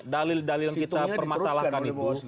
dalil dalil yang kita permasalahkan itu